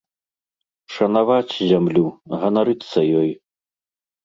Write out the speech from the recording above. Шанаваць зямлю, ганарыцца ёй.